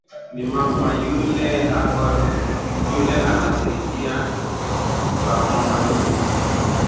Ni mama ule eko na saidia ba mama mingi